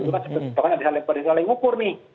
bahkan ada yang saling ngukur nih